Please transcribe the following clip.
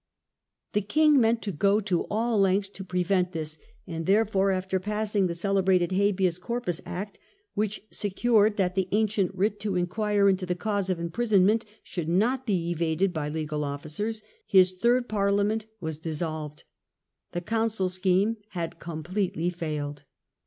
The king meant to go to all lengths to prevent this; and therefore, after passing the celebrated Habeas Corpus Act, which secured that the ancient writ to enquire into the cause of imprisonment should not be evaded by legal officers, his third Parliament was dissolved. The Council scheme had completely failed.